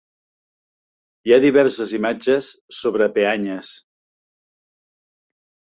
Hi ha diverses imatges sobre peanyes.